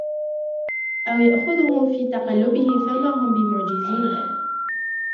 أَوْ يَأْخُذَهُمْ فِي تَقَلُّبِهِمْ فَمَا هُمْ بِمُعْجِزِينَ